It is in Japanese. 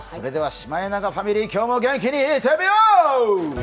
シマエナガファミリー、今日も元気にいってみよう。